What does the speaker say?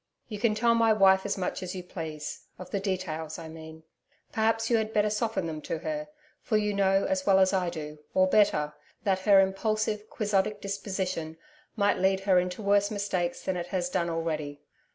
You can tell my wife as much as you please of the details, I mean. Perhaps, you had better soften them to her, for you know as well as I do or better that her impulsive, quixotic disposition might lead her into worse mistakes than it has done already.